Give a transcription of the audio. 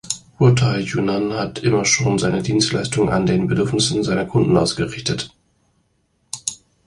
Guotai Junan hat immer schon seine Dienstleistungen an den Bedürfnissen seiner Kunden ausgerichtet.